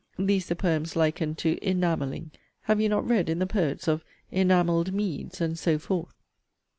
These the poets liken to 'enamelling' have you not read in the poets of 'enamelled meads,' and so forth?